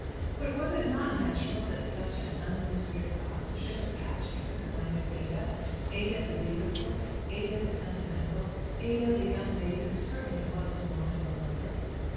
But was it not natural that such an unwhispered thought should have passed through the mind of Ada Ada the beautiful, Ada the sentimental, Ada the young lady who certainly was in want of a lover?